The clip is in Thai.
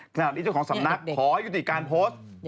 ทำไมจุดของสำนักขอให้ยุติการโพสต์